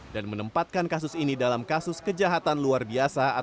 dan menempatkan kasus ini dalam kasus kejahatan luar biasa